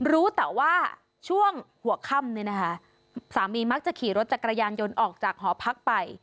รู้แต่ว่าช่วงหัวค่ำเนี่ยนะคะสามีมักจะขี่รถจักรยานยนต์ออกจากหอพักไป